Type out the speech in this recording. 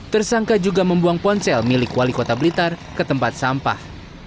tersangka juga membuang ponsel milik wali kota blitar ke tempat sampah